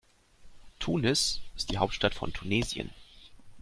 Tunis ist die Hauptstadt von Tunesien.